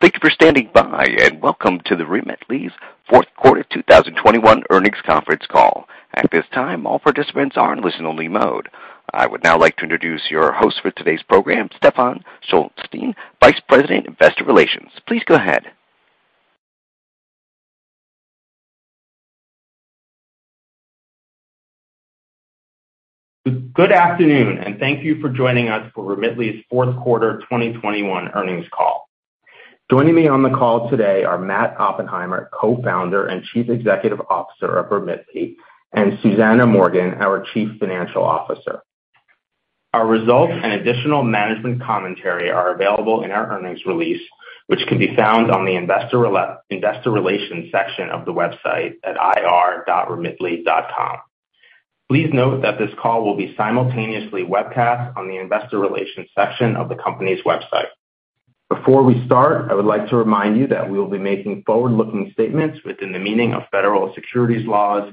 Thank you for standing by, and welcome to Remitly's fourth quarter 2021 earnings conference call. At this time, all participants are in listen-only mode. I would now like to introduce your host for today's program, Stephen Shulstein, Vice President, Investor Relations. Please go ahead. Good afternoon, and thank you for joining us for Remitly's fourth quarter 2021 earnings call. Joining me on the call today are Matt Oppenheimer, Co-founder and Chief Executive Officer of Remitly, and Susanna Morgan, our Chief Financial Officer. Our results and additional management commentary are available in our earnings release, which can be found on the investor relations section of the website at ir.remitly.com. Please note that this call will be simultaneously webcast on the investor relations section of the company's website. Before we start, I would like to remind you that we will be making forward-looking statements within the meaning of federal securities laws,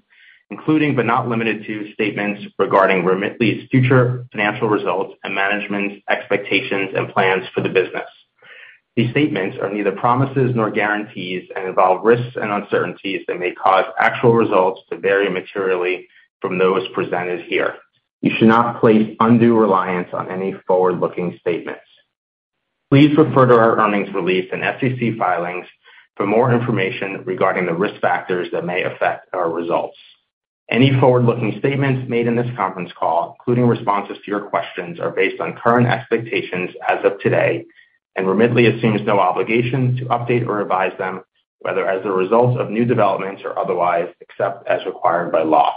including but not limited to statements regarding Remitly's future financial results and management's expectations and plans for the business. These statements are neither promises nor guarantees and involve risks and uncertainties that may cause actual results to vary materially from those presented here. You should not place undue reliance on any forward-looking statements. Please refer to our earnings release and SEC filings for more information regarding the risk factors that may affect our results. Any forward-looking statements made in this conference call, including responses to your questions, are based on current expectations as of today, and Remitly assumes no obligation to update or revise them, whether as a result of new developments or otherwise, except as required by law.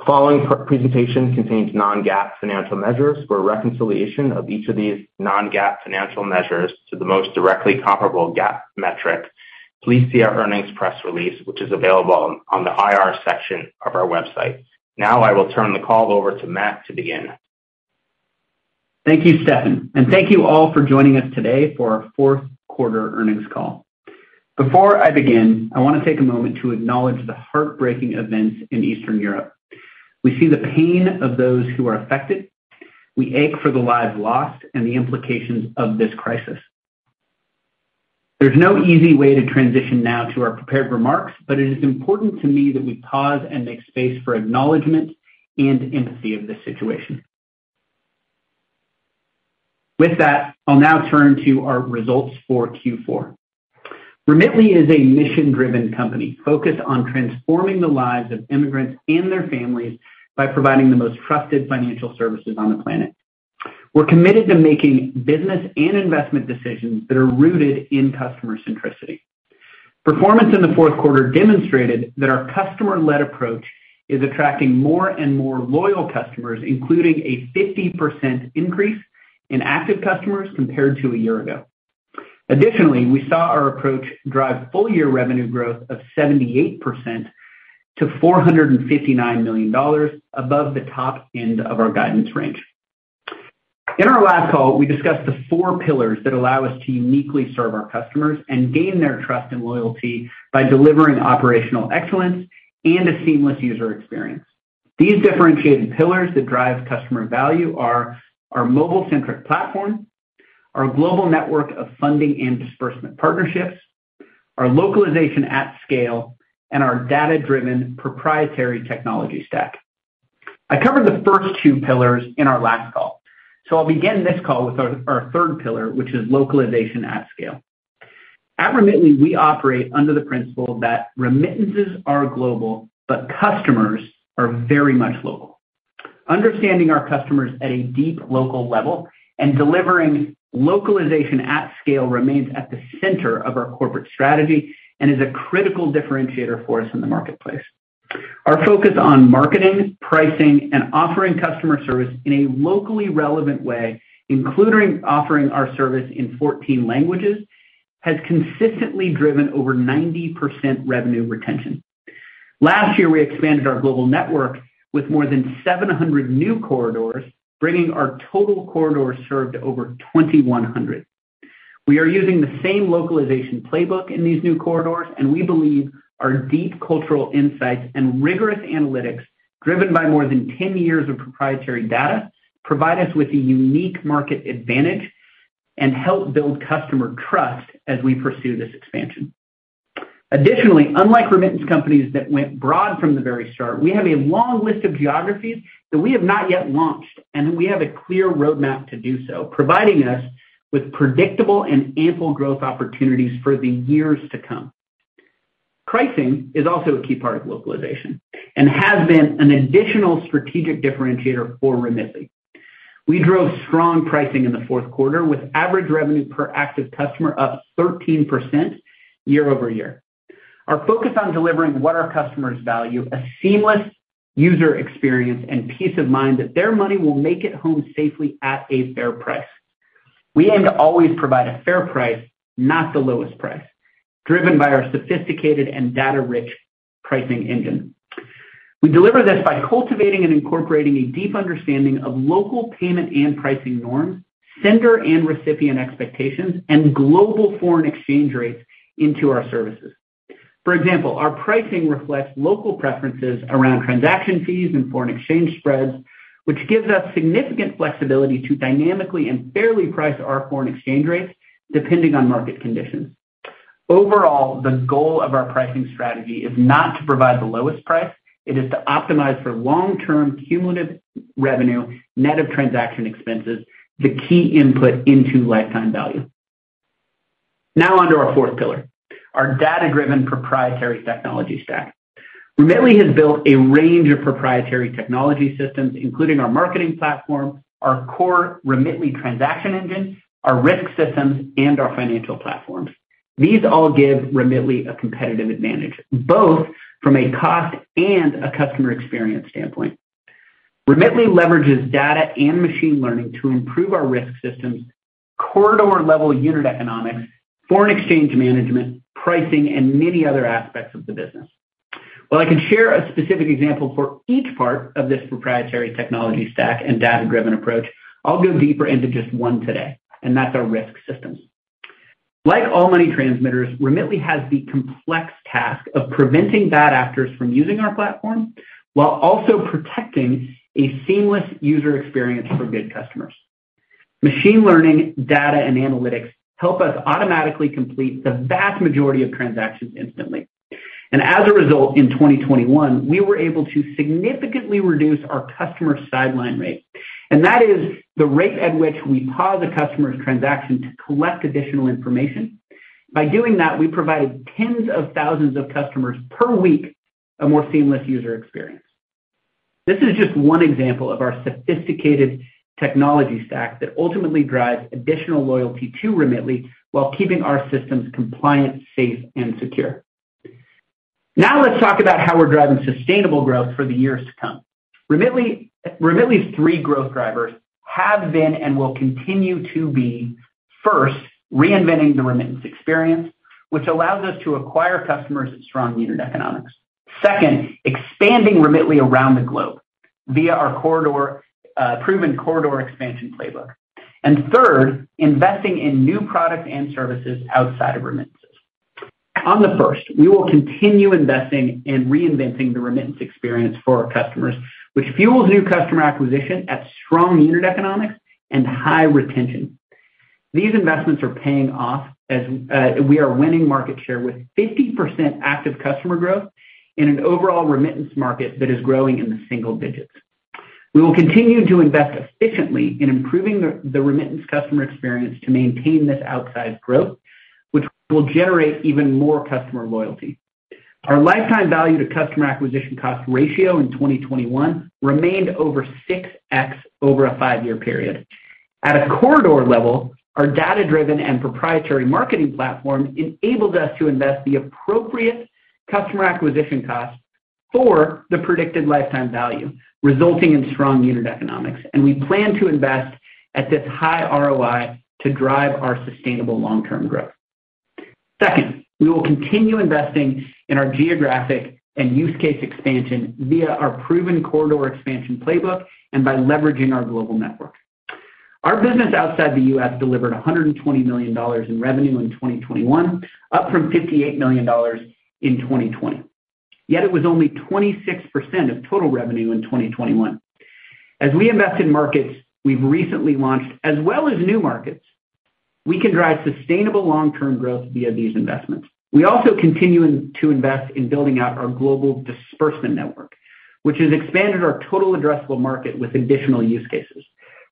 The following presentation contains non-GAAP financial measures. For a reconciliation of each of these non-GAAP financial measures to the most directly comparable GAAP metric, please see our earnings press release, which is available on the IR section of our website. Now I will turn the call over to Matt, to begin. Thank you, Stephen, and thank you all for joining us today for our fourth quarter earnings call. Before I begin, I wanna take a moment to acknowledge the heartbreaking events in Eastern Europe. We see the pain of those who are affected, we ache for the lives lost and the implications of this crisis. There's no easy way to transition now to our prepared remarks, but it is important to me that we pause and make space for acknowledgement and empathy of this situation. With that, I'll now turn to our results for Q4. Remitly is a mission-driven company focused on transforming the lives of immigrants and their families by providing the most trusted financial services on the planet. We're committed to making business and investment decisions that are rooted in customer centricity. Performance in the fourth quarter demonstrated that our customer-led approach is attracting more and more loyal customers, including a 50% increase in active customers compared to a year ago. Additionally, we saw our approach drive full-year revenue growth of 78% to $459 million above the top end of our guidance range. In our last call, we discussed the four pillars that allow us to uniquely serve our customers and gain their trust and loyalty by delivering operational excellence and a seamless user experience. These differentiated pillars that drive customer value are our mobile-centric platform, our global network of funding and disbursement partnerships, our localization at scale, and our data-driven proprietary technology stack. I covered the first two pillars in our last call, so I'll begin this call with our third pillar, which is localization at scale. At Remitly, we operate under the principle that remittances are global, but customers are very much local. Understanding our customers at a deep local level and delivering localization at scale remains at the center of our corporate strategy and is a critical differentiator for us in the marketplace. Our focus on marketing, pricing, and offering customer service in a locally relevant way, including offering our service in 14 languages, has consistently driven over 90% revenue retention. Last year, we expanded our global network with more than 700 new corridors, bringing our total corridors served over 2,100. We are using the same localization playbook in these new corridors, and we believe our deep cultural insights and rigorous analytics, driven by more than 10 years of proprietary data, provide us with a unique market advantage and help build customer trust as we pursue this expansion. Additionally, unlike remittance companies that went broad from the very start, we have a long list of geographies that we have not yet launched, and we have a clear roadmap to do so, providing us with predictable and ample growth opportunities for the years to come. Pricing is also a key part of localization and has been an additional strategic differentiator for Remitly. We drove strong pricing in the fourth quarter with average revenue per active customer up 13% year-over-year, our focus on delivering what our customers value, a seamless user experience and peace of mind that their money will make it home safely at a fair price. We aim to always provide a fair price, not the lowest price, driven by our sophisticated and data-rich pricing engine. We deliver this by cultivating and incorporating a deep understanding of local payment and pricing norms, sender and recipient expectations, and global foreign exchange rates into our services. For example, our pricing reflects local preferences around transaction fees and foreign exchange spreads, which gives us significant flexibility to dynamically and fairly price our foreign exchange rates depending on market conditions. Overall, the goal of our pricing strategy is not to provide the lowest price, it is to optimize for long-term cumulative revenue net of transaction expenses, the key input into lifetime value. Now on to our fourth pillar, our data-driven proprietary technology stack. Remitly has built a range of proprietary technology systems, including our marketing platform, our core Remitly transaction engine, our risk systems, and our financial platforms. These all give Remitly a competitive advantage, both from a cost and a customer experience standpoint. Remitly leverages data and machine learning to improve our risk systems, corridor-level unit economics, foreign exchange management, pricing, and many other aspects of the business. While I can share a specific example for each part of this proprietary technology stack and data-driven approach, I'll go deeper into just one today, and that's our risk systems. Like all money transmitters, Remitly has the complex task of preventing bad actors from using our platform while also protecting a seamless user experience for good customers. Machine learning, data, and analytics help us automatically complete the vast majority of transactions instantly. As a result, in 2021, we were able to significantly reduce our customer sideline rate. That is the rate at which we pause a customer's transaction to collect additional information. By doing that, we provided tens of thousands of customers per week a more seamless user experience. This is just one example of our sophisticated technology stack that ultimately drives additional loyalty to Remitly while keeping our systems compliant, safe, and secure. Now let's talk about how we're driving sustainable growth for the years to come. Remitly's three growth drivers have been and will continue to be, first, reinventing the remittance experience, which allows us to acquire customers at strong unit economics. Second, expanding Remitly around the globe via our corridor, proven corridor expansion playbook. Third, investing in new products and services outside of remittances. On the first, we will continue investing in reinventing the remittance experience for our customers, which fuels new customer acquisition at strong unit economics and high retention. These investments are paying off as we are winning market share with 50% active customer growth in an overall remittance market that is growing in the single digits. We will continue to invest efficiently in improving the remittance customer experience to maintain this outsized growth, which will generate even more customer loyalty. Our lifetime value to customer acquisition cost ratio in 2021 remained over 6x over a five-year period. At a corridor level, our data-driven and proprietary marketing platform enabled us to invest the appropriate customer acquisition cost for the predicted lifetime value, resulting in strong unit economics. We plan to invest at this high ROI to drive our sustainable long-term growth. Second, we will continue investing in our geographic and use case expansion via our proven corridor expansion playbook and by leveraging our global network. Our business outside the U.S. delivered $120 million in revenue in 2021, up from $58 million in 2020. Yet it was only 26% of total revenue in 2021. As we invest in markets we've recently launched, as well as new markets, we can drive sustainable long-term growth via these investments. We also continue to invest in building out our global disbursement network, which has expanded our total addressable market with additional use cases.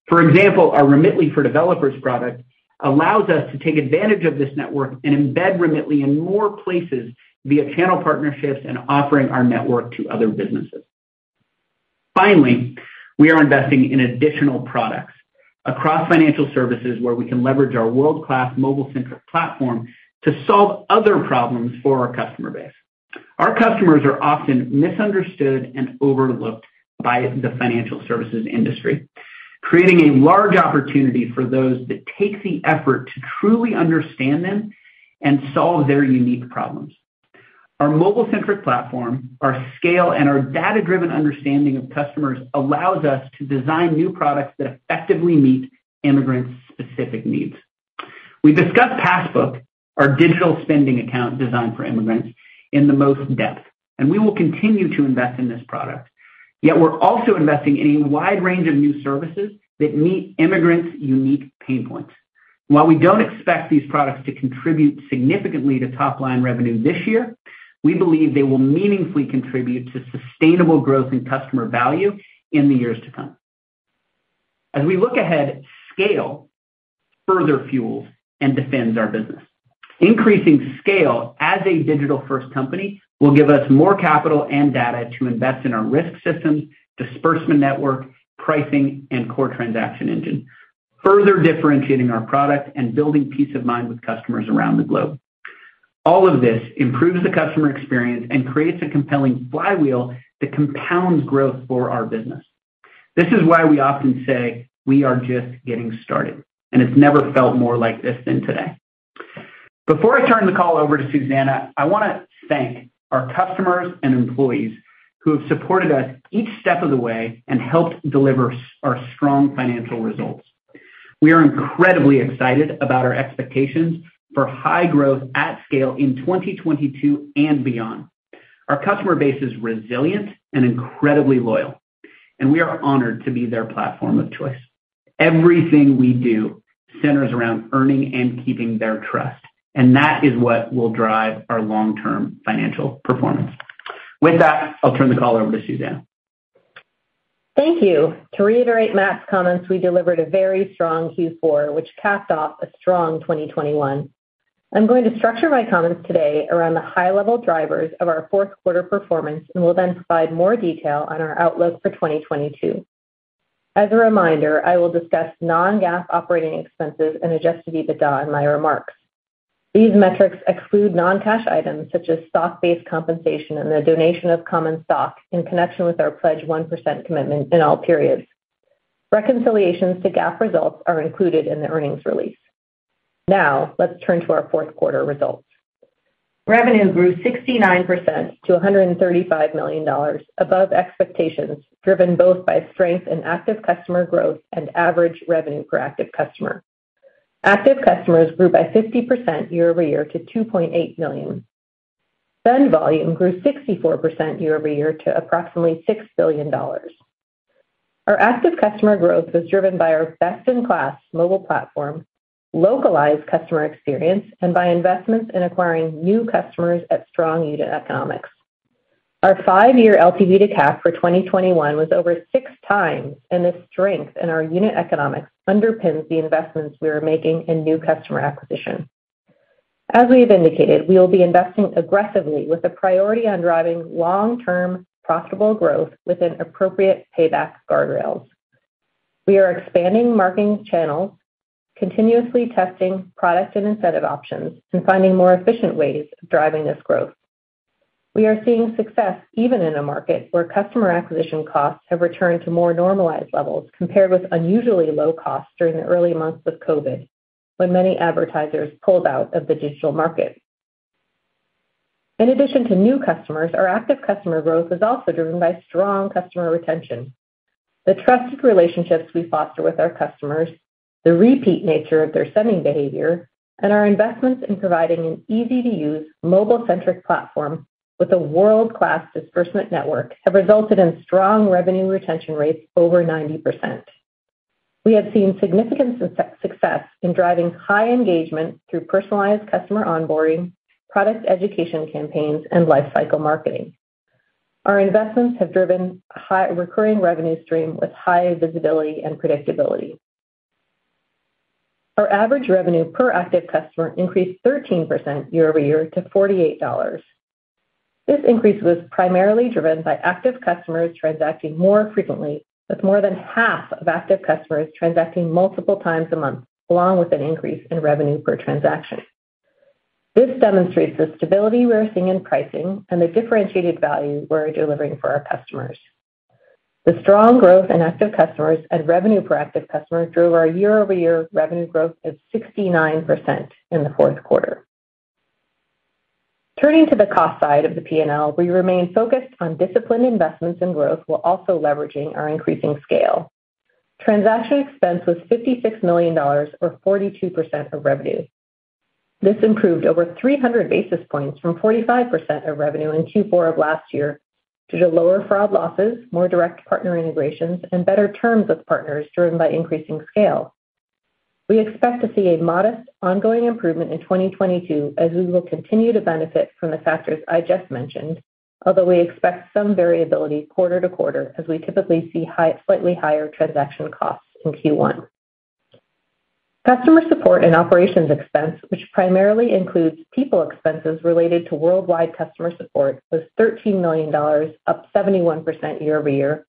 For example, our Remitly for developers product allows us to take advantage of this network and embed Remitly in more places via channel partnerships and offering our network to other businesses. Finally, we are investing in additional products across financial services where we can leverage our world-class mobile-centric platform to solve other problems for our customer base. Our customers are often misunderstood and overlooked by the financial services industry, creating a large opportunity for those that take the effort to truly understand them and solve their unique problems. Our mobile-centric platform, our scale, and our data-driven understanding of customers allows us to design new products that effectively meet immigrants' specific needs. We discussed Passbook, our digital spending account designed for immigrants, in the most depth, and we will continue to invest in this product. Yet we're also investing in a wide range of new services that meet immigrants' unique pain points. While we don't expect these products to contribute significantly to top-line revenue this year, we believe they will meaningfully contribute to sustainable growth in customer value in the years to come. As we look ahead, scale further fuels and defends our business. Increasing scale as a digital-first company will give us more capital and data to invest in our risk systems, disbursement network, pricing, and core transaction engine, further differentiating our product and building peace of mind with customers around the globe. All of this improves the customer experience and creates a compelling flywheel that compounds growth for our business. This is why we often say we are just getting started, and it's never felt more like this than today. Before I turn the call over to Susanna, I wanna thank our customers and employees who have supported us each step of the way and helped deliver our strong financial results. We are incredibly excited about our expectations for high growth at scale in 2022 and beyond. Our customer base is resilient and incredibly loyal, and we are honored to be their platform of choice. Everything we do centers around earning and keeping their trust, and that is what will drive our long-term financial performance. With that, I'll turn the call over to Susanna. Thank you. To reiterate Matt's comments, we delivered a very strong Q4, which capped off a strong 2021. I'm going to structure my comments today around the high-level drivers of our fourth quarter performance, and will then provide more detail on our outlook for 2022. As a reminder, I will discuss non-GAAP operating expenses and adjusted EBITDA in my remarks. These metrics exclude non-cash items such as stock-based compensation and the donation of common stock in connection with our Pledge 1% commitment in all periods. Reconciliations to GAAP results are included in the earnings release. Now, let's turn to our fourth quarter results. Revenue grew 69% to $135 million above expectations, driven both by strength in active customer growth and average revenue per active customer. Active customers grew by 50% year-over-year to 2.8 million. Spend volume grew 64% year over year to approximately $6 billion. Our active customer growth was driven by our best-in-class mobile platform, localized customer experience, and by investments in acquiring new customers at strong unit economics. Our five-year LTV to CAC for 2021 was over 6x, and the strength in our unit economics underpins the investments we are making in new customer acquisition. As we have indicated, we will be investing aggressively with a priority on driving long-term profitable growth within appropriate payback guardrails. We are expanding marketing channels, continuously testing product and incentive options, and finding more efficient ways of driving this growth. We are seeing success even in a market where customer acquisition costs have returned to more normalized levels compared with unusually low costs during the early months of COVID, when many advertisers pulled out of the digital market. In addition to new customers, our active customer growth is also driven by strong customer retention. The trusted relationships we foster with our customers, the repeat nature of their spending behavior, and our investments in providing an easy-to-use mobile-centric platform with a world-class disbursement network have resulted in strong revenue retention rates over 90%. We have seen significant success in driving high engagement through personalized customer onboarding, product education campaigns, and lifecycle marketing. Our investments have driven high recurring revenue stream with high visibility and predictability. Our average revenue per active customer increased 13% year-over-year to $48. This increase was primarily driven by active customers transacting more frequently, with more than half of active customers transacting multiple times a month, along with an increase in revenue per transaction. This demonstrates the stability we are seeing in pricing and the differentiated value we're delivering for our customers. The strong growth in active customers and revenue per active customer drove our year-over-year revenue growth of 69% in the fourth quarter. Turning to the cost side of the P&L, we remain focused on disciplined investments and growth while also leveraging our increasing scale. Transaction expense was $56 million, or 42% of revenue. This improved over 300 basis points from 45% of revenue in Q4 of last year due to lower fraud losses, more direct partner integrations, and better terms with partners driven by increasing scale. We expect to see a modest ongoing improvement in 2022 as we will continue to benefit from the factors I just mentioned, although we expect some variability quarter to quarter as we typically see slightly higher transaction costs in Q1. Customer support and operations expense, which primarily includes people expenses related to worldwide customer support, was $13 million, up 71% year-over-year,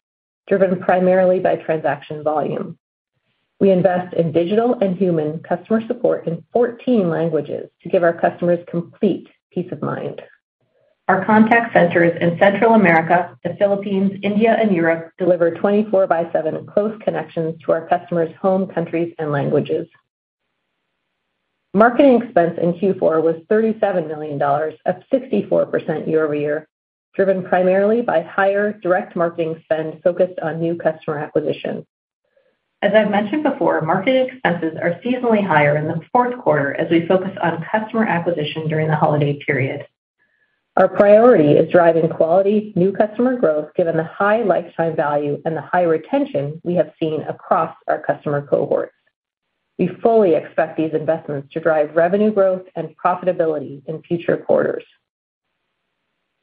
driven primarily by transaction volume. We invest in digital and human customer support in 14 languages to give our customers complete peace of mind. Our contact centers in Central America, the Philippines, India, and Europe deliver 24/7 close connections to our customers' home countries and languages. Marketing expense in Q4 was $37 million, up 64% year-over-year, driven primarily by higher direct marketing spend focused on new customer acquisition. As I've mentioned before, marketing expenses are seasonally higher in the fourth quarter as we focus on customer acquisition during the holiday period. Our priority is driving quality new customer growth, given the high lifetime value and the high retention we have seen across our customer cohorts. We fully expect these investments to drive revenue growth and profitability in future quarters.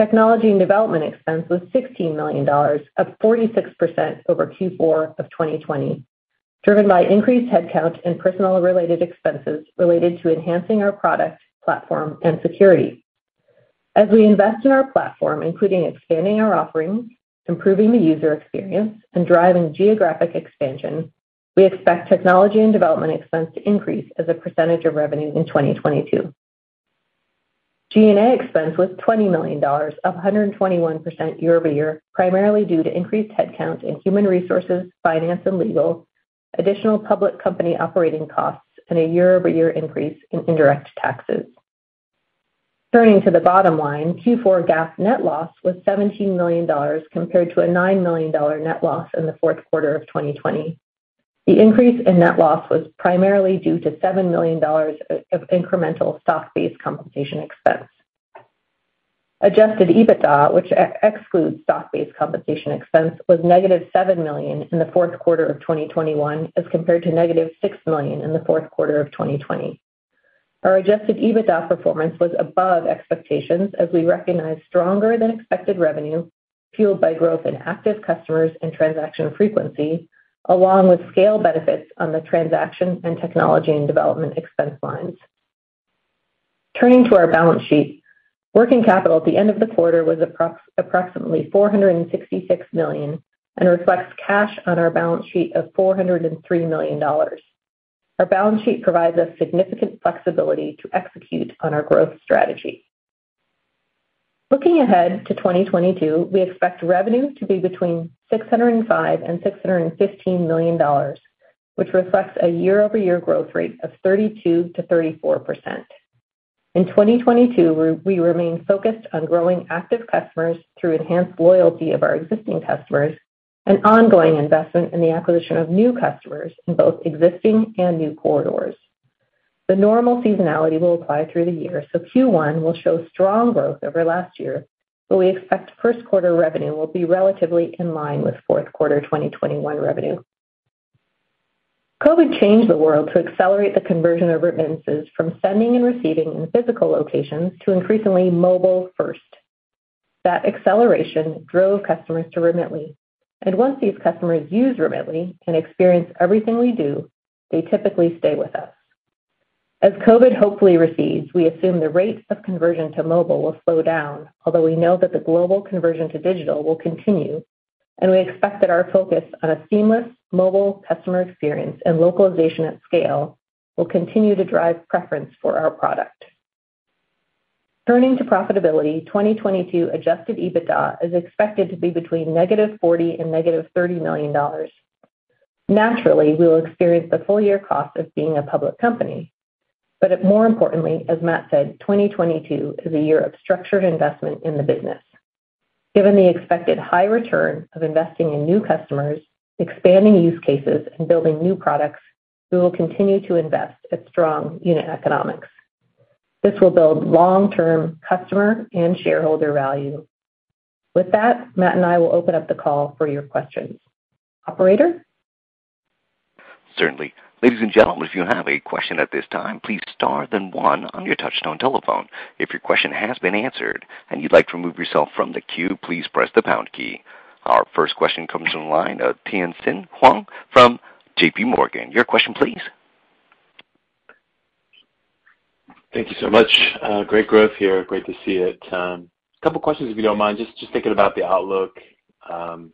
Technology and development expense was $16 million, up 46% over Q4 of 2020, driven by increased headcount and personnel-related expenses related to enhancing our product, platform, and security. As we invest in our platform, including expanding our offerings, improving the user experience, and driving geographic expansion, we expect technology and development expense to increase as a percentage of revenue in 2022. G&A expense was $20 million, up 121% year-over-year, primarily due to increased headcount in human resources, finance and legal, additional public company operating costs, and a year-over-year increase in indirect taxes. Turning to the bottom line, Q4 GAAP net loss was $17 million compared to a $9 million net loss in the fourth quarter of 2020. The increase in net loss was primarily due to $7 million of incremental stock-based compensation expense. Adjusted EBITDA, which excludes stock-based compensation expense, was negative $7 million in the fourth quarter of 2021, as compared to negative $6 million in the fourth quarter of 2020. Our adjusted EBITDA performance was above expectations as we recognized stronger than expected revenue, fueled by growth in active customers and transaction frequency, along with scale benefits on the transaction and technology and development expense lines. Turning to our balance sheet. Working capital at the end of the quarter was approximately $466 million and reflects cash on our balance sheet of $403 million. Our balance sheet provides us significant flexibility to execute on our growth strategy. Looking ahead to 2022, we expect revenue to be between $605 million and $615 million, which reflects a year-over-year growth rate of 32%-34%. In 2022, we remain focused on growing active customers through enhanced loyalty of our existing customers and ongoing investment in the acquisition of new customers in both existing and new corridors. The normal seasonality will apply through the year, so Q1 will show strong growth over last year, but we expect first quarter revenue will be relatively in line with fourth quarter 2021 revenue. COVID changed the world to accelerate the conversion of remittances from sending and receiving in physical locations to increasingly mobile first. That acceleration drove customers to Remitly. Once these customers use Remitly and experience everything we do, they typically stay with us. As COVID hopefully recedes, we assume the rates of conversion to mobile will slow down, although we know that the global conversion to digital will continue, and we expect that our focus on a seamless mobile customer experience and localization at scale will continue to drive preference for our product. Turning to profitability, 2022 adjusted EBITDA is expected to be between -$40 million and -$30 million. Naturally, we will experience the full year cost of being a public company, but more importantly, as Matt said, 2022 is a year of structured investment in the business. Given the expected high return of investing in new customers, expanding use cases, and building new products, we will continue to invest at strong unit economics. This will build long-term customer and shareholder value. With that, Matt and I will open up the call for your questions. Operator? Certainly. Ladies and gentlemen, if you have a question at this time, please star, then one on your touchtone telephone. If your question has been answered and you'd like to remove yourself from the queue, please press the pound key. Our first question comes from the line of Tien-Tsin Huang from JPMorgan. Your question, please. Thank you so much. Great growth here. Great to see it. A couple questions, if you don't mind, just thinking about the outlook for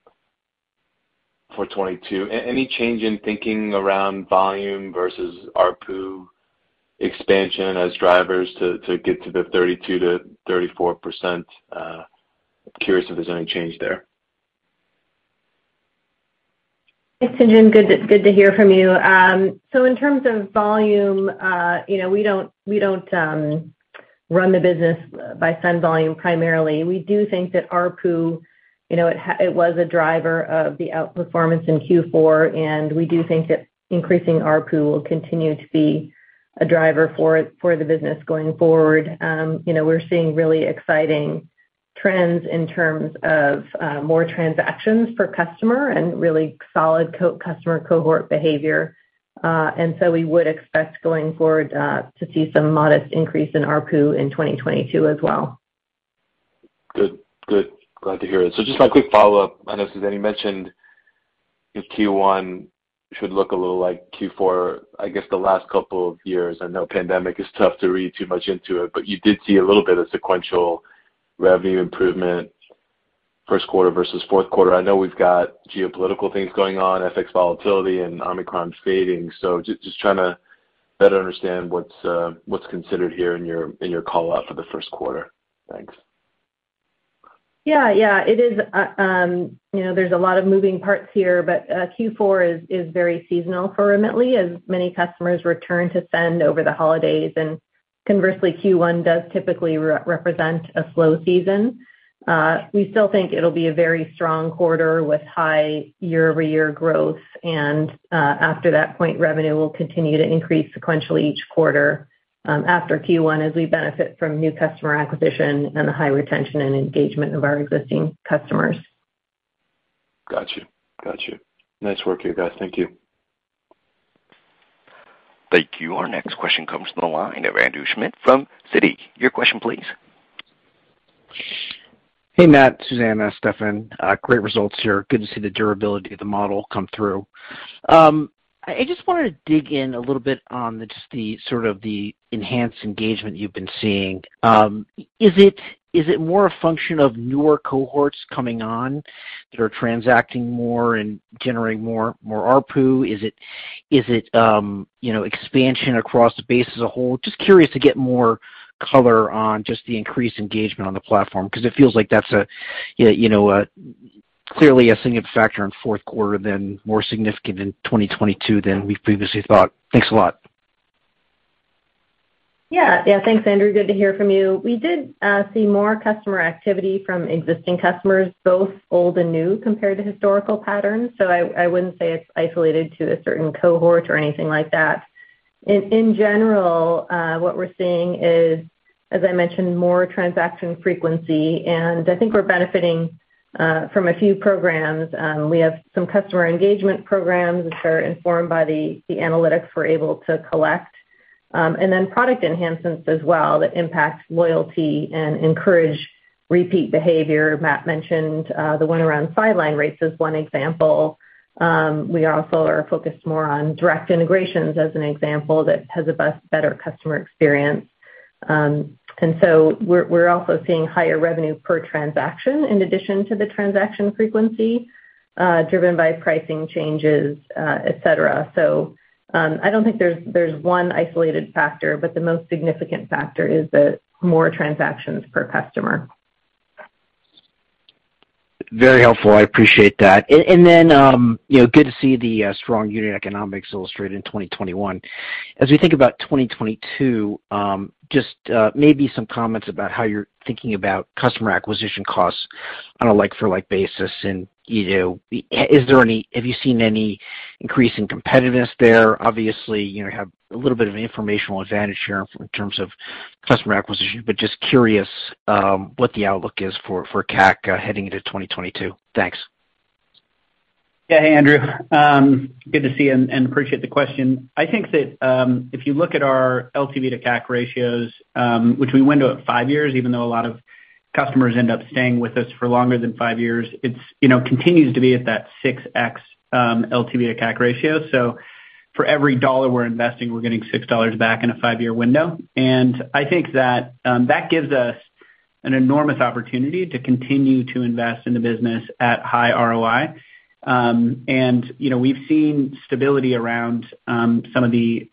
2022. Any change in thinking around volume versus ARPU expansion as drivers to get to the 32%-34%? Curious if there's any change there. Tien-Tsin, good to hear from you. So In terms of volume, you know, we don't run the business by send volume primarily. We do think that ARPU, you know, it was a driver of the outperformance in Q4, and we do think that increasing ARPU will continue to be a driver for the business going forward. You know, we're seeing really exciting trends in terms of more transactions per customer and really solid per-customer cohort behavior. We would expect going forward to see some modest increase in ARPU in 2022 as well. Good. Good. Glad to hear it. Just a quick follow-up. I know, Susanna, you mentioned Q1 should look a little like Q4, I guess, the last couple of years. I know the pandemic is tough to read too much into it, but you did see a little bit of sequential revenue improvement first quarter versus fourth quarter. I know we've got geopolitical things going on, FX volatility and Omicron fading. Just trying to better understand what's considered here in your call out for the first quarter. Thanks. Yeah. Yeah. It is, you know, there's a lot of moving parts here, but Q4 is very seasonal for Remitly as many customers return to send over the holidays. Conversely, Q1 does typically represent a slow season. We still think it'll be a very strong quarter with high year-over-year growth. After that point, revenue will continue to increase sequentially each quarter after Q1 as we benefit from new customer acquisition and the high retention and engagement of our existing customers. Gotcha. Nice work, you guys. Thank you. Thank you. Our next question comes from the line of Andrew Schmidt from Citi. Your question please. Hey, Matt, Susanna, Stephen. Great results here. Good to see the durability of the model come through. I just wanted to dig in a little bit on just the sort of the enhanced engagement you've been seeing. Is it more a function of newer cohorts coming on that are transacting more and generating more ARPU? Is it you know, expansion across the base as a whole? Just curious to get more color on just the increased engagement on the platform because it feels like that's a you know, clearly a significant factor in fourth quarter, then more significant in 2022 than we previously thought. Thanks a lot. Yeah. Thanks, Andrew. Good to hear from you. We did see more customer activity from existing customers, both old and new, compared to historical patterns. I wouldn't say it's isolated to a certain cohort or anything like that. In general, what we're seeing is, as I mentioned, more transaction frequency, and I think we're benefiting from a few programs. We have some customer engagement programs which are informed by the analytics we're able to collect, and then product enhancements as well that impact loyalty and encourage repeat behavior. Matt mentioned the one around sideline rates as one example. We also are focused more on direct integrations as an example that has a better customer experience. We're also seeing higher revenue per transaction in addition to the transaction frequency, driven by pricing changes, et cetera. I don't think there's one isolated factor, but the most significant factor is the more transactions per customer. Very helpful. I appreciate that. Then, you know, good to see the strong unit economics illustrated in 2021. As we think about 2022, maybe some comments about how you're thinking about customer acquisition costs on a like-for-like basis and, you know, have you seen any increase in competitiveness there? Obviously, you know, have a little bit of informational advantage here in terms of customer acquisition, but just curious, what the outlook is for CAC heading into 2022. Thanks. Yeah. Hey, Andrew. Good to see you, and appreciate the question. I think that, if you look at our LTV to CAC ratios, which we window at five years, even though a lot of customers end up staying with us for longer than five years, it continues to be at that 6x LTV to CAC ratio. So for every $1 we're investing, we're getting $6 back in a 5-year window. I think that that gives us an enormous opportunity to continue to invest in the business at high ROI. You know, we've seen stability around some of the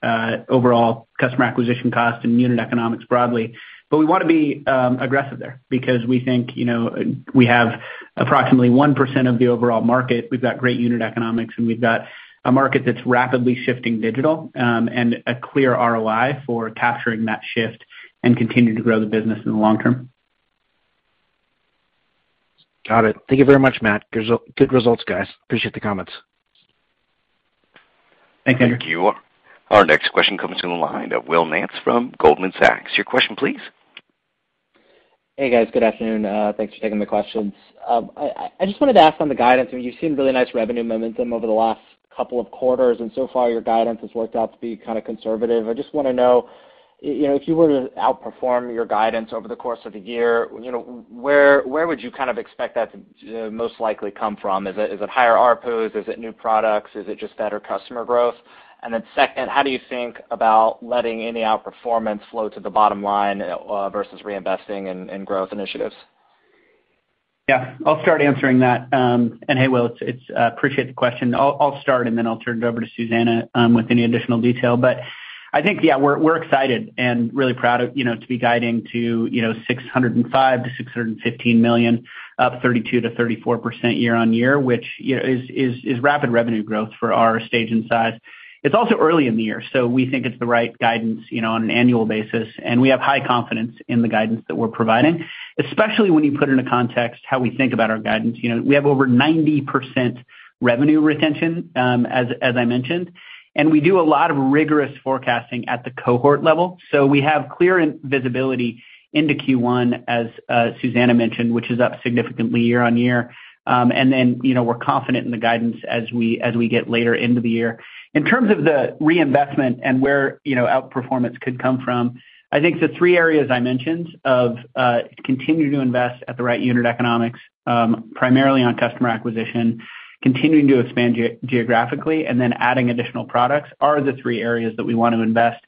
overall customer acquisition costs and unit economics broadly. We wanna be aggressive there because we think, you know, we have approximately 1% of the overall market. We've got great unit economics, and we've got a market that's rapidly shifting digital, and a clear ROI for capturing that shift and continue to grow the business in the long term. Got it. Thank you very much, Matt. Good results, guys. Appreciate the comments. Thanks, Andrew. Our next question comes from the line of Will Nance from Goldman Sachs. Your question, please. Hey, guys. Good afternoon. Thanks for taking the questions. I just wanted to ask on the guidance. I mean, you've seen really nice revenue momentum over the last couple of quarters, and so far your guidance has worked out to be kind of conservative. I just wanna know, you know, if you were to outperform your guidance over the course of the year, you know, where would you kind of expect that to most likely come from? Is it higher ARPUs? Is it new products? Is it just better customer growth? And then second, how do you think about letting any outperformance flow to the bottom line versus reinvesting in growth initiatives? Yeah. I'll start answering that. Hey, Will, I appreciate the question. I'll start, and then I'll turn it over to Susanna with any additional detail. I think, yeah, we're excited and really proud of, you know, to be guiding to, you know, $605 million-$615 million, up 32%-34% year-on-year, which, you know, is rapid revenue growth for our stage and size. It's also early in the year, so we think it's the right guidance, you know, on an annual basis, and we have high confidence in the guidance that we're providing, especially when you put into context how we think about our guidance. You know, we have over 90% revenue retention, as I mentioned, and we do a lot of rigorous forecasting at the cohort level. We have clear visibility into Q1, as Susanna mentioned, which is up significantly year-over-year. You know, we're confident in the guidance as we get later into the year. In terms of the reinvestment and where, you know, outperformance could come from, I think the three areas I mentioned of continuing to invest at the right unit economics, primarily on customer acquisition, continuing to expand geographically, and then adding additional products are the three areas that we want to invest.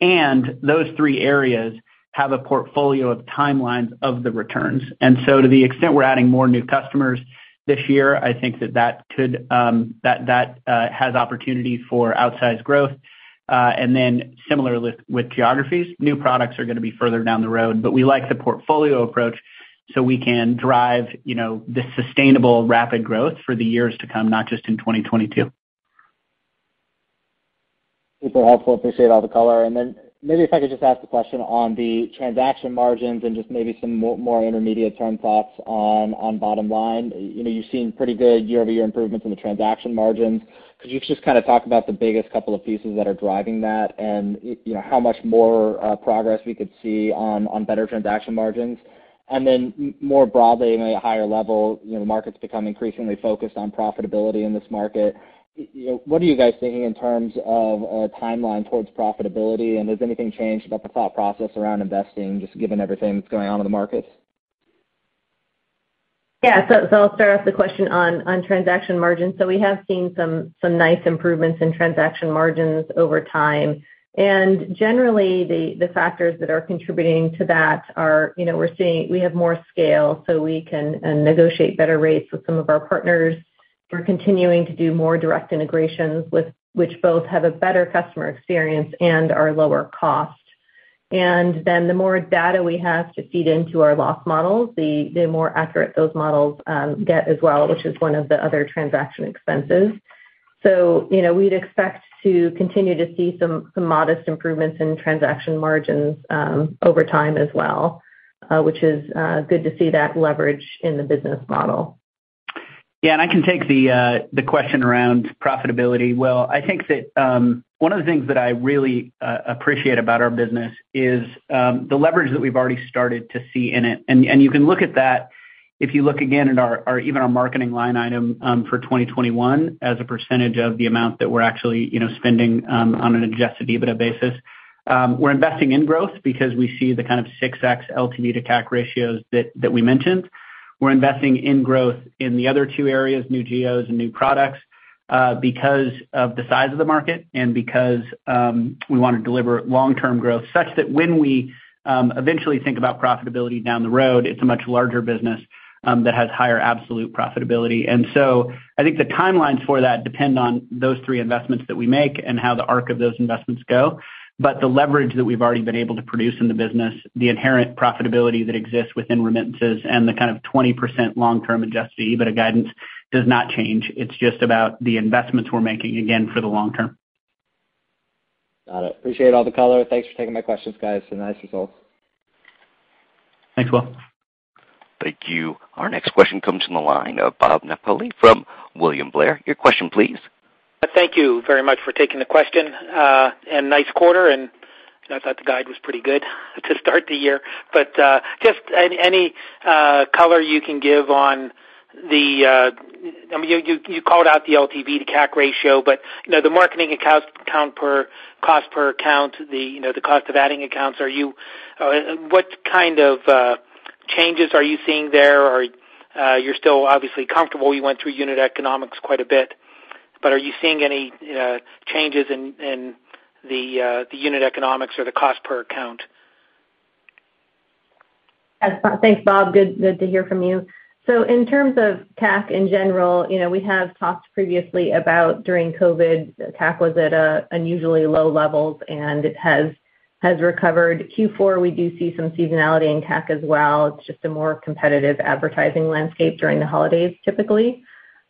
Those three areas have a portfolio of timelines of the returns. To the extent we're adding more new customers this year, I think that has opportunity for outsized growth. Similarly with geographies, new products are gonna be further down the road. We like the portfolio approach, so we can drive, you know, the sustainable rapid growth for the years to come, not just in 2022. Super helpful. Appreciate all the color. Maybe if I could just ask a question on the transaction margins and just maybe some more intermediate term thoughts on bottom line. You know, you've seen pretty good year-over-year improvements in the transaction margins. Could you just kind of talk about the biggest couple of pieces that are driving that and, you know, how much more progress we could see on better transaction margins? More broadly, you know, at a higher level, you know, the market's become increasingly focused on profitability in this market. You know, what are you guys thinking in terms of a timeline towards profitability, and has anything changed about the thought process around investing, just given everything that's going on in the markets? Yeah. I'll start off the question on transaction margins. We have seen some nice improvements in transaction margins over time. Generally, the factors that are contributing to that are, you know, we're seeing we have more scale, so we can negotiate better rates with some of our partners. We're continuing to do more direct integrations which both have a better customer experience and are lower cost. The more data we have to feed into our loss models, the more accurate those models get as well, which is one of the other transaction expenses. You know, we'd expect to continue to see some modest improvements in transaction margins over time as well, which is good to see that leverage in the business model. Yeah, I can take the question around profitability. Well, I think that one of the things that I really appreciate about our business is the leverage that we've already started to see in it. You can look at that if you look again at our even our marketing line item for 2021 as a percentage of the amount that we're actually, you know, spending on an adjusted EBITDA basis. We're investing in growth because we see the kind of 6x LTV to CAC ratios that we mentioned. We're investing in growth in the other two areas, new geos and new products, because of the size of the market and because we wanna deliver long-term growth such that when we eventually think about profitability down the road, it's a much larger business that has higher absolute profitability. I think the timelines for that depend on those three investments that we make and how the arc of those investments go. The leverage that we've already been able to produce in the business, the inherent profitability that exists within remittances and the kind of 20% long-term adjusted EBITDA guidance does not change. It's just about the investments we're making, again, for the long term. Got it. Appreciate all the color. Thanks for taking my questions, guys, and nice results. Thanks, Will. Thank you. Our next question comes from the line of Bob Napoli from William Blair. Your question please. Thank you very much for taking the question, and nice quarter, and I thought the guide was pretty good to start the year. Just any color you can give on the, I mean, you called out the LTV to CAC ratio, but, you know, the marketing cost per account, you know, the cost of adding accounts. What kind of changes are you seeing there? Or, you're still obviously comfortable, you went through unit economics quite a bit, but are you seeing any changes in the unit economics or the cost per account? Thanks, Bob. Good to hear from you. In terms of CAC in general, you know, we have talked previously about during COVID, CAC was at an unusually low levels, and it has recovered. Q4, we do see some seasonality in CAC as well. It's just a more competitive advertising landscape during the holidays, typically.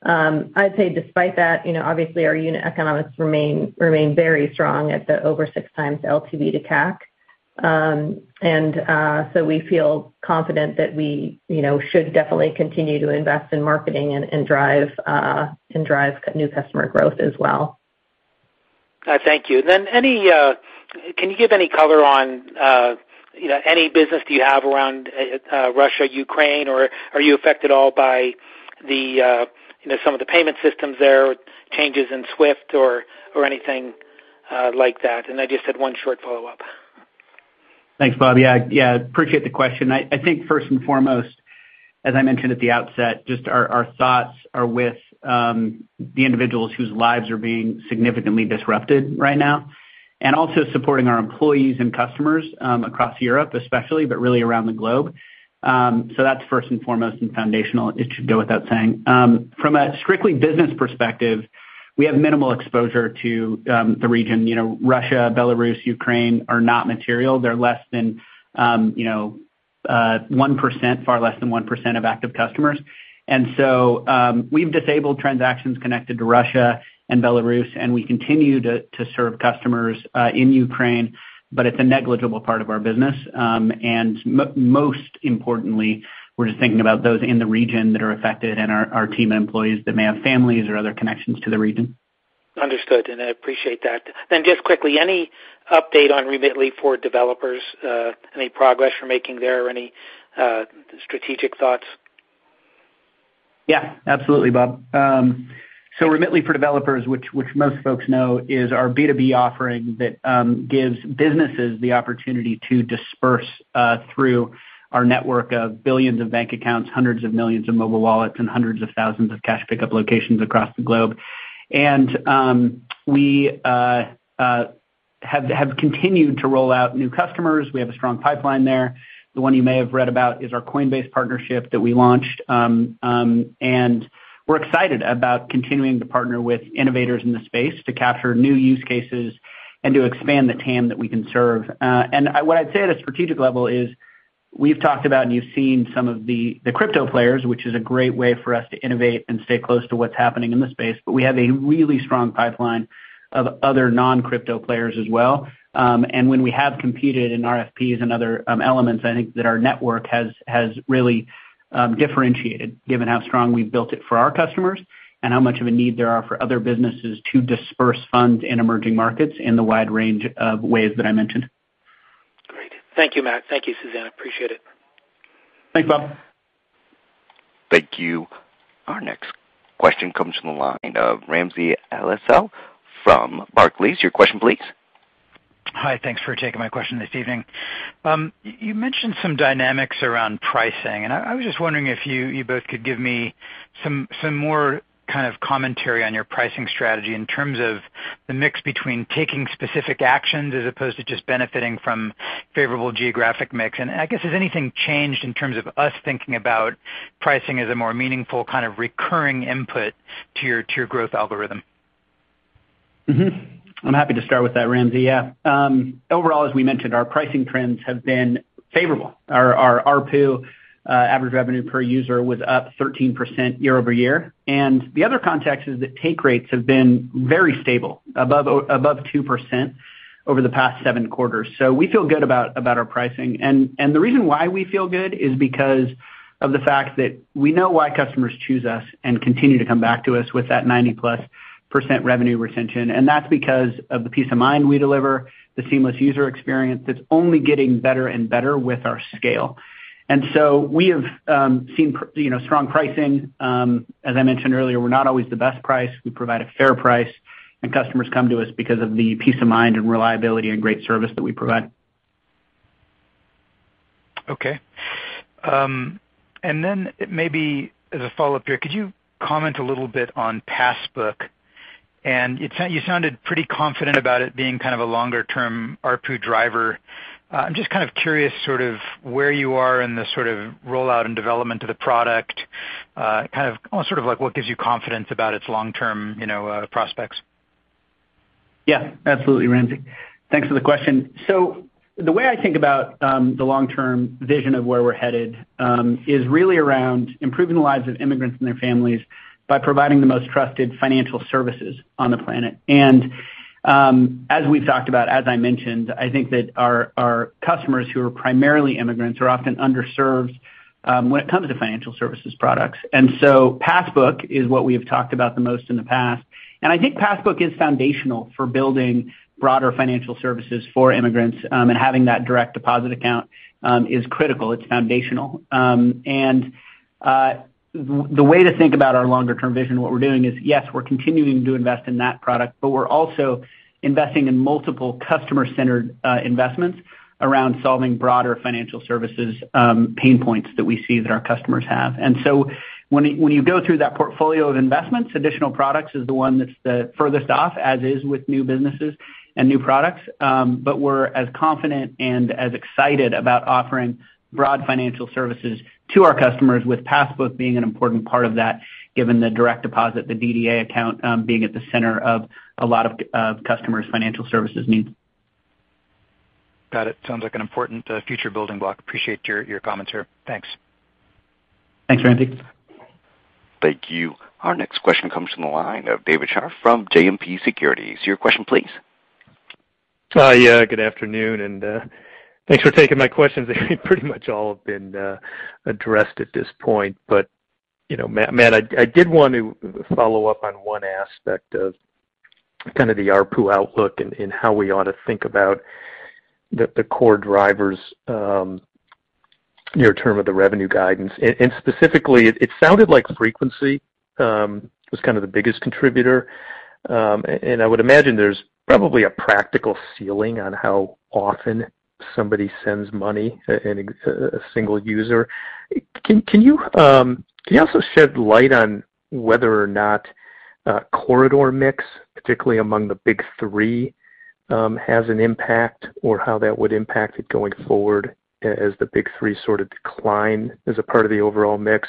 I'd say despite that, you know, obviously our unit economics remain very strong at over six times LTV to CAC. We feel confident that we, you know, should definitely continue to invest in marketing and drive new customer growth as well. Thank you. Can you give any color on, you know, any business do you have around Russia, Ukraine, or are you affected at all by the, you know, some of the payment systems there, changes in SWIFT or anything like that? I just had one short follow-up. Thanks, Bob. Yeah. Yeah, appreciate the question. I think first and foremost, as I mentioned at the outset, just our thoughts are with the individuals whose lives are being significantly disrupted right now, and also supporting our employees and customers across Europe especially, but really around the globe. That's first and foremost and foundational. It should go without saying. From a strictly business perspective, we have minimal exposure to the region. You know, Russia, Belarus, Ukraine are not material. They're less than you know 1%, far less than 1% of active customers. We've disabled transactions connected to Russia and Belarus, and we continue to serve customers in Ukraine, but it's a negligible part of our business. Most importantly, we're just thinking about those in the region that are affected and our team employees that may have families or other connections to the region. Understood, and I appreciate that. Just quickly, any update on Remitly for Developers, any progress you're making there or any strategic thoughts? Yeah. Absolutely, Bob. Remitly for Developers, which most folks know, is our B2B offering that gives businesses the opportunity to disperse through our network of billions of bank accounts, hundreds of millions of mobile wallets, and hundreds of thousands of cash pickup locations across the globe. We have continued to roll out new customers. We have a strong pipeline there. The one you may have read about is our Coinbase partnership that we launched. We're excited about continuing to partner with innovators in the space to capture new use cases and to expand the TAM that we can serve. What I'd say at a strategic level is we've talked about, and you've seen some of the crypto players, which is a great way for us to innovate and stay close to what's happening in the space, but we have a really strong pipeline of other non-crypto players as well. When we have competed in RFPs and other elements, I think that our network has really differentiated given how strong we've built it for our customers and how much of a need there are for other businesses to disperse funds in emerging markets in the wide range of ways that I mentioned. Great. Thank you, Matt. Thank you, Susanna. I appreciate it. Thanks, Bob. Thank you. Our next question comes from the line of Ramsey El-Assal from Barclays. Your question please. Hi. Thanks for taking my question this evening. You mentioned some dynamics around pricing, and I was just wondering if you both could give me some more kind of commentary on your pricing strategy in terms of the mix between taking specific actions as opposed to just benefiting from favorable geographic mix. I guess, has anything changed in terms of us thinking about pricing as a more meaningful kind of recurring input to your growth algorithm? I'm happy to start with that, Ramsey. Overall, as we mentioned, our pricing trends have been favorable. Our ARPU, average revenue per user was up 13% year-over-year. The other context is that take rates have been very stable, above 2% over the past seven quarters. We feel good about our pricing. The reason why we feel good is because of the fact that we know why customers choose us and continue to come back to us with that 90%+ revenue retention. That's because of the peace of mind we deliver, the seamless user experience that's only getting better and better with our scale. We have seen you know strong pricing. As I mentioned earlier, we're not always the best price. We provide a fair price, and customers come to us because of the peace of mind and reliability and great service that we provide. Okay. Then maybe as a follow-up here, could you comment a little bit on Passbook? You sounded pretty confident about it being kind of a longer-term ARPU driver. I'm just kind of curious sort of where you are in the sort of rollout and development of the product, kind of almost sort of like what gives you confidence about its long-term, you know, prospects. Yeah, absolutely, Ramsey. Thanks for the question. The way I think about the long-term vision of where we're headed is really around improving the lives of immigrants and their families by providing the most trusted financial services on the planet. As we've talked about, as I mentioned, I think that our customers who are primarily immigrants are often underserved when it comes to financial services products. Passbook is what we have talked about the most in the past, and I think Passbook is foundational for building broader financial services for immigrants, and having that direct deposit account is critical. It's foundational. The way to think about our longer term vision of what we're doing is, yes, we're continuing to invest in that product, but we're also investing in multiple customer-centered investments around solving broader financial services pain points that we see that our customers have. When you go through that portfolio of investments, additional products is the one that's the furthest off, as is with new businesses and new products. We're as confident and as excited about offering broad financial services to our customers with Passbook being an important part of that, given the direct deposit, the DDA account, being at the center of a lot of customers' financial services needs. Got it. Sounds like an important future building block. Appreciate your comments here. Thanks. Thanks, Ramsey. Thank you. Our next question comes from the line of David Scharf from JMP Securities. Your question please. Hi. Good afternoon, and, thanks for taking my questions. They pretty much all have been addressed at this point. You know, Matt, I did want to follow up on one aspect of kind of the ARPU outlook and how we ought to think about the core drivers near term of the revenue guidance. Specifically it sounded like frequency was kind of the biggest contributor. I would imagine there's probably a practical ceiling on how often somebody sends money and a single user. Can you also shed light on whether or not corridor mix, particularly among the big three, has an impact or how that would impact it going forward as the big three sort of decline as a part of the overall mix?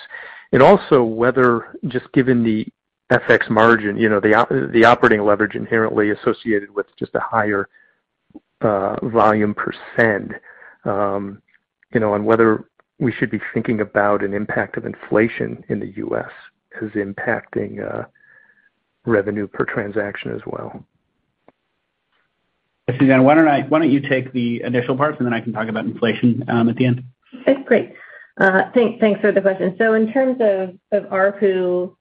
And also whether just given the FX margin, you know, the operating leverage inherently associated with just a higher volume percent, you know, on whether we should be thinking about an impact of inflation in the U.S. is impacting revenue per transaction as well. Susanna, why don't you take the initial part, and then I can talk about inflation at the end? Okay, great. Thanks for the question. In terms of ARPU,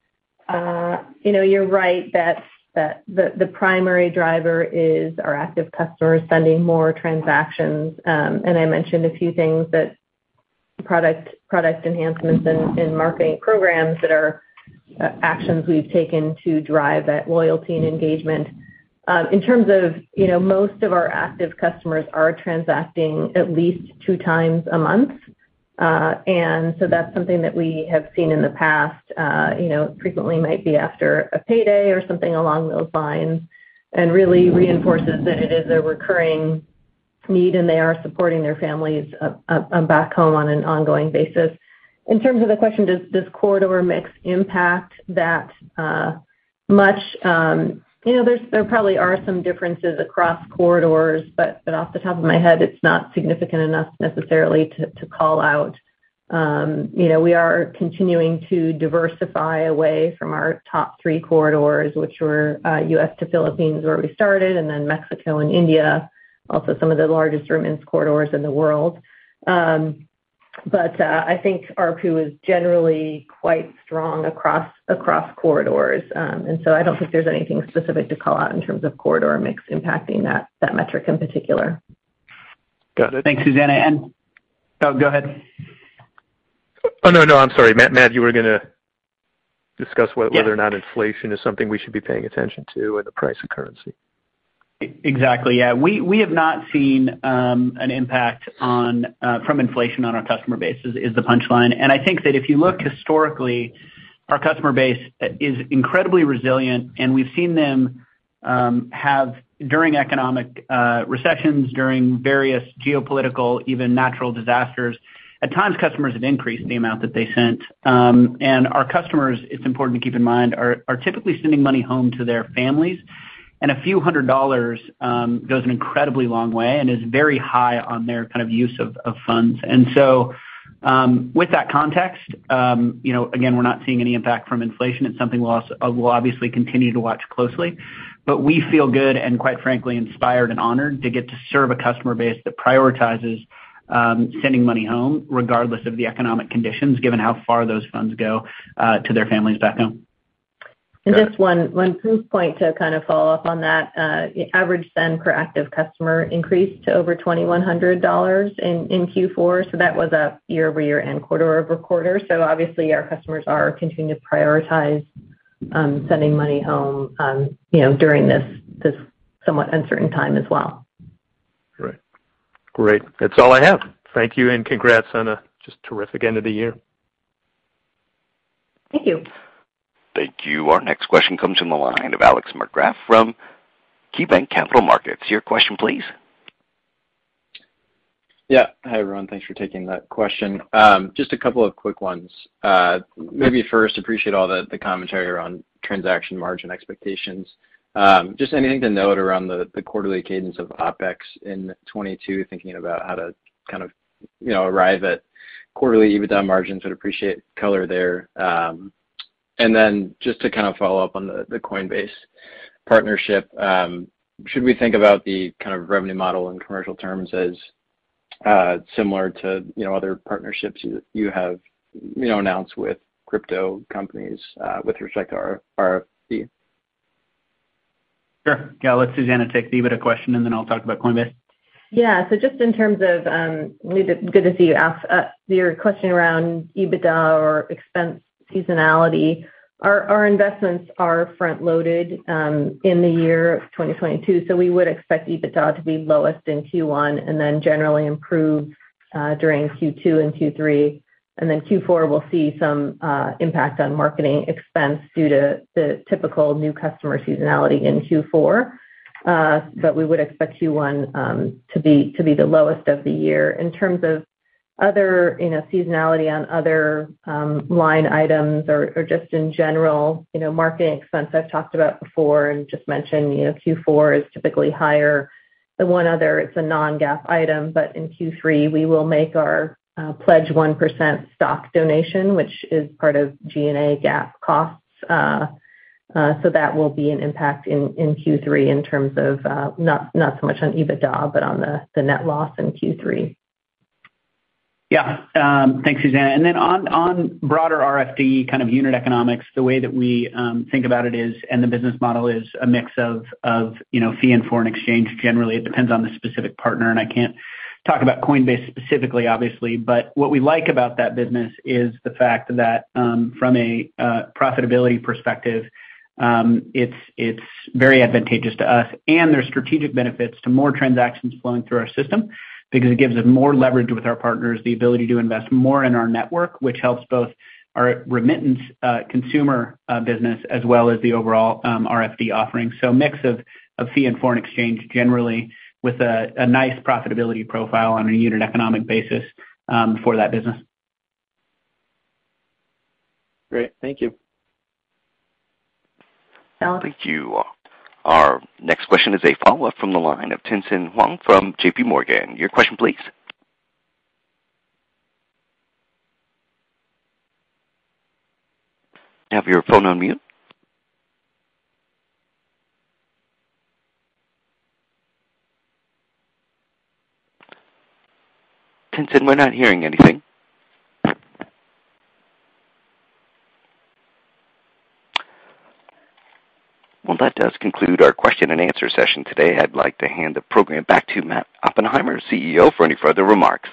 you know, you're right that the primary driver is our active customers sending more transactions. I mentioned a few things that product enhancements and marketing programs that are actions we've taken to drive that loyalty and engagement. In terms of, you know, most of our active customers are transacting at least two times a month. That's something that we have seen in the past, you know, frequently might be after a payday or something along those lines, and really reinforces that it is a recurring need, and they are supporting their families back home on an ongoing basis. In terms of the question, does this corridor mix impact that much? You know, there probably are some differences across corridors, but off the top of my head, it's not significant enough necessarily to call out. You know, we are continuing to diversify away from our top three corridors, which were U.S. to Philippines, where we started, and then Mexico and India, also some of the largest remittance corridors in the world. I think ARPU is generally quite strong across corridors. I don't think there's anything specific to call out in terms of corridor mix impacting that metric in particular. Got it. Thanks, Susanna. Oh, go ahead. Oh, no, I'm sorry. Matt, you were gonna discuss. Yes. Whether or not inflation is something we should be paying attention to and the price of currency. Exactly, yeah. We have not seen an impact from inflation on our customer base, is the punchline. I think that if you look historically, our customer base is incredibly resilient, and we've seen them have during economic recessions, during various geopolitical, even natural disasters. At times, customers have increased the amount that they sent. Our customers, it's important to keep in mind are typically sending money home to their families. A few hundred dollars goes an incredibly long way and is very high on their kind of use of funds. With that context, you know, again, we're not seeing any impact from inflation. It's something we'll obviously continue to watch closely. We feel good and quite frankly, inspired and honored to get to serve a customer base that prioritizes sending money home regardless of the economic conditions, given how far those funds go to their families back home. Just one proof point to kind of follow up on that. Average send per active customer increased to over $2,100 in Q4, so that was up year-over-year and quarter-over-quarter. Obviously our customers are continuing to prioritize sending money home, you know, during this somewhat uncertain time as well. Great. That's all I have. Thank you and congrats on a just terrific end of the year. Thank you. Thank you. Our next question comes from the line of Alex Markgraff from KeyBanc Capital Markets. Your question please. Hi, everyone. Thanks for taking that question. Just a couple of quick ones. Maybe first, I appreciate all the commentary around transaction margin expectations. Just anything to note around the quarterly cadence of OpEx in 2022, thinking about how to kind of, you know, arrive at quarterly EBITDA margins. Would appreciate color there. Just to kind of follow up on the Coinbase partnership, should we think about the kind of revenue model in commercial terms as similar to, you know, other partnerships you have, you know, announced with crypto companies with respect to RFD? Sure. Yeah, I'll let Susanna take the EBITDA question, and then I'll talk about Coinbase. Yeah. Just in terms of, good to see you ask, your question around EBITDA or expense seasonality. Our investments are front-loaded in the year of 2022, so we would expect EBITDA to be lowest in Q1 and then generally improve during Q2 and Q3. Then Q4 will see some impact on marketing expense due to the typical new customer seasonality in Q4. But we would expect Q1 to be the lowest of the year. In terms of other, you know, seasonality on other line items or just in general, you know, marketing expense I've talked about before and just mentioned, you know, Q4 is typically higher than others. It's a non-GAAP item, but in Q3, we will make our Pledge 1% stock donation, which is part of G&A GAAP costs. That will be an impact in Q3 in terms of not so much on EBITDA, but on the net loss in Q3. Yeah. Thanks, Susanna. Then on broader RFD kind of unit economics, the way that we think about it is, the business model is a mix of, you know, fee and foreign exchange. Generally, it depends on the specific partner, and I can't talk about Coinbase specifically, obviously. What we like about that business is the fact that, from a profitability perspective, it's very advantageous to us and there's strategic benefits to more transactions flowing through our system because it gives us more leverage with our partners, the ability to invest more in our network, which helps both our remittance consumer business as well as the overall RFD offering. A mix of fee and foreign exchange generally with a nice profitability profile on a unit economic basis, for that business. Great. Thank you. Thank you. Our next question is a follow-up from the line of Tien-Tsin Huang from JPMorgan. Your question please. You have your phone on mute. Tien-Tsin, we're not hearing anything. Well, that does conclude our question and answer session today. I'd like to hand the program back to Matt Oppenheimer, CEO, for any further remarks.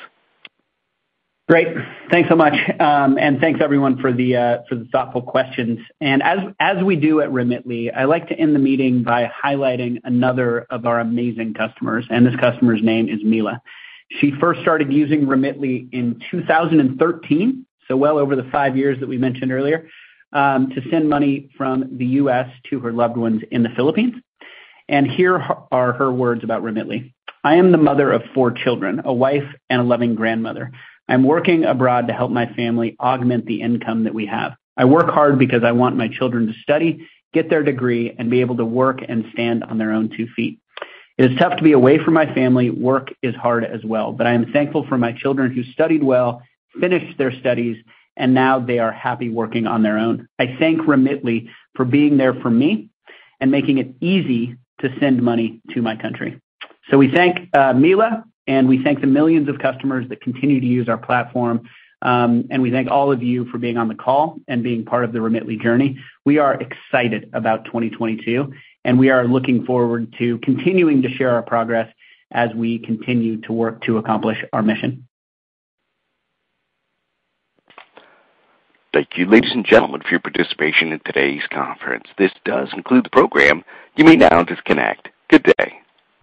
Great. Thanks so much. Thanks everyone for the thoughtful questions. As we do at Remitly, I like to end the meeting by highlighting another of our amazing customers, and this customer's name is Mila. She first started using Remitly in 2013, so well over the five years that we mentioned earlier, to send money from the U.S. to her loved ones in the Philippines. Here are her words about Remitly. "I am the mother of four children, a wife, and a loving grandmother. I'm working abroad to help my family augment the income that we have. I work hard because I want my children to study, get their degree, and be able to work and stand on their own two feet. It is tough to be away from my family. Work is hard as well. I am thankful for my children who studied well, finished their studies, and now they are happy working on their own. I thank Remitly for being there for me and making it easy to send money to my country". We thank Mila, and we thank the millions of customers that continue to use our platform, and we thank all of you for being on the call and being part of the Remitly journey. We are excited about 2022, and we are looking forward to continuing to share our progress as we continue to work to accomplish our mission. Thank you, ladies and gentlemen, for your participation in today's conference. This does conclude the program. You may now disconnect. Good day.